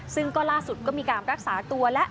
ซึ่งก็ล่าสุดก็มีการรักษาตัวแล้ว